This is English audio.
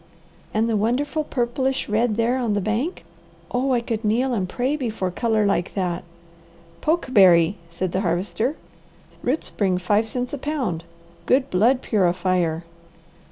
"And the wonderful purplish red there on the bank? Oh, I could kneel and pray before colour like that!' "Pokeberry!" said the Harvester. "Roots bring five cents a pound. Good blood purifier."